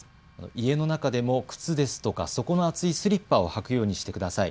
家の中でも靴ですとか底の厚いスリッパを履くようにしてください。